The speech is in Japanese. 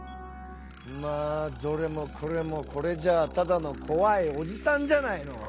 まあどれもこれもこれじゃあただのこわいおじさんじゃないの。